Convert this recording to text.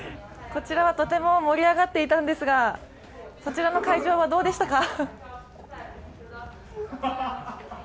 こちらはとても盛り上がっていたんですがそちらの会場はどうでしたか？